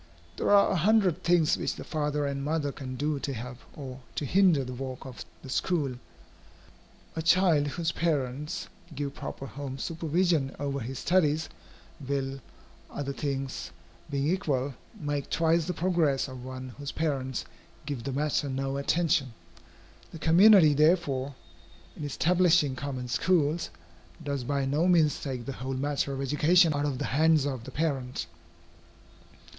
There are a hundred things which the father and mother can do to help or to hinder the work of the school. A child, whose parents give proper home supervision over his studies, will, other things being equal, make twice the progress of one whose parents give the matter no attention. The community, therefore, in establishing common schools, does by no means take the whole matter of education out of the hands of the parent.